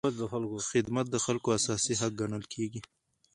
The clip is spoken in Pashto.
خدمت د خلکو اساسي حق ګڼل کېږي.